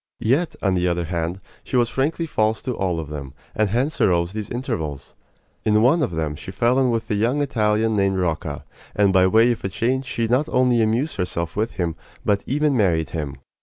Yet, on the other hand, she was frankly false to all of them, and hence arose these intervals. In one of them she fell in with a young Italian named Rocca, and by way of a change she not only amused herself with him, but even married him.